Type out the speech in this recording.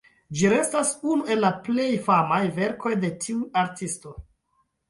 Ĝi restas unu el la plej famaj verkoj de tiu artisto.